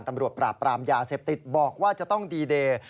ตำรวจปราบปรามยาเสพติดบอกว่าจะต้องดีเดย์